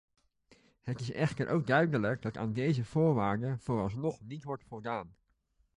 Het is echter ook duidelijk dat aan deze voorwaarden vooralsnog niet wordt voldaan.